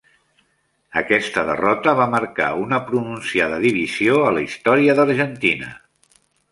Aquesta derrota va marcar una pronunciada divisió a la història d'Argentina.